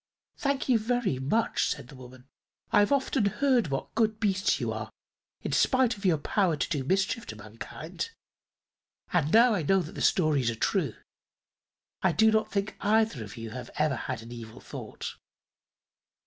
"Thank you very much," said the woman. "I've often heard what good beasts you are, in spite of your power to do mischief to mankind, and now I know that the stories are true. I do not think either of you have ever had an evil thought."